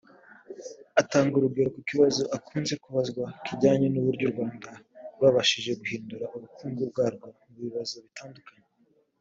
atanga urugero ku kibazo akunze kubazwa kijyanye n’uburyo u Rwanda rwabashije guhindura ubukungu bwarwo mu bibazo bitandukanye